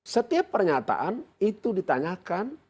setiap pernyataan itu ditanyakan